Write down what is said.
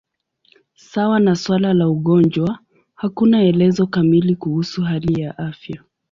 Sawa na suala la ugonjwa, hakuna elezo kamili kuhusu hali ya afya.